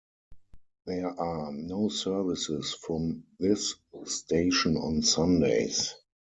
There are no services from this station on Sundays.